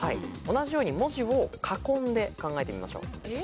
同じように文字を囲んで考えてみましょう。